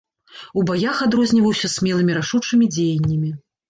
У баях адрозніваўся смелымі рашучымі дзеяннямі.